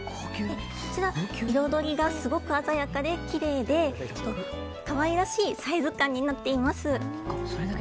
こちら、彩りがすごく鮮やかできれいで可愛らしいサイズ感になっています。